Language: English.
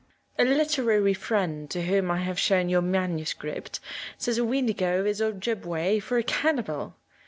A literary friend to whom I have shown your MS. says a weendigo is Ojibbeway for a cannibal.